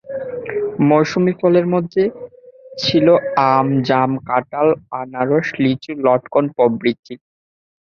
মৌসুমি ফলের মধ্যে ছিল আম, জাম, কাঁঠাল, আনারস, লিচু, লটকন প্রভৃতি।